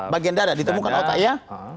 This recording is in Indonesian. bagian dada ditemukan otak ya